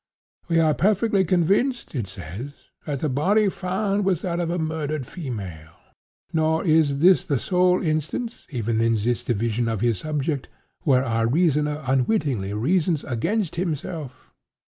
'We are perfectly convinced,' it says, 'that the body found was that of a murdered female.' "Nor is this the sole instance, even in this division of his subject, where our reasoner unwittingly reasons against himself.